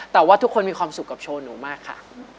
แต่ว่าทุกคนมีความสุขกับโชว์หนูมากค่ะ